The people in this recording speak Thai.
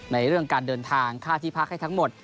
ในเรื่องการเดินทางค่าที่พักให้ทั้งหมด